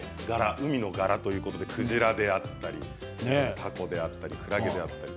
海の柄ということでクジラであったりタコだったり、クラゲだったり。